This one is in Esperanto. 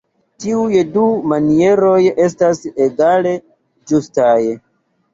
Tiuj du manieroj estas egale ĝustaj.